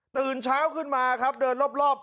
ตื่นเช้าขึ้นมาครับเดินรอบ